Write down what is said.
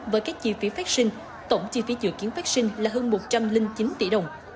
với các chi phí phát sinh tổng chi phí dự kiến phát sinh là hơn một trăm linh chín tỷ đồng